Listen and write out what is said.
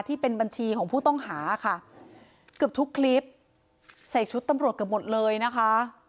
ที่เป็นบัญชีของผู้ต้องหาค่ะเกือบทุกคลิปใส่ชุดตำรวจเกือบหมดเลยนะคะ